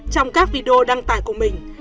trong các video đăng tải của mình